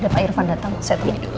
pak irfan datang saya temuin dulu